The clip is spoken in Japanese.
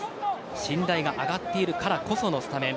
信頼が上がっているからこそのスタメン。